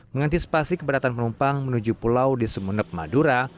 mengantisipasi keberatan penumpang menuju pulau di sumeneb madura